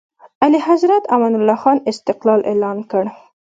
اعلیحضرت امان الله خان استقلال اعلان کړ.